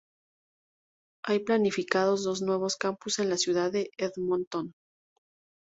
Hay planificados dos nuevos campus en la ciudad de Edmonton.